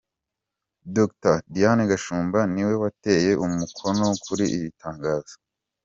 Dr Diane Gashumba ni we wateye umukono kuri iri tangazo.